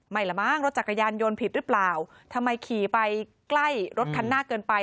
ละมั้งรถจักรยานยนต์ผิดหรือเปล่าทำไมขี่ไปใกล้รถคันหน้าเกินไป